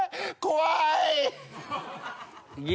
怖い！